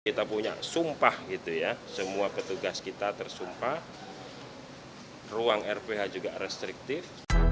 kita punya sumpah gitu ya semua petugas kita tersumpah ruang rph juga restriktif